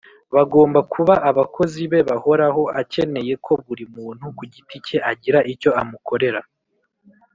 . Bagomba kuba abakozi be bahoraho. Akeneye ko buri muntu ku giti cye agira icyo amukorera